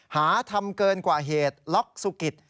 หาทำเกินกว่าเหตุล็อกสุกิต